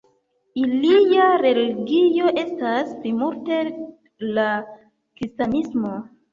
Ilia religio estas plimulte la kristanismo.